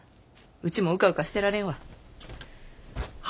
ウチもうかうかしてられんわ。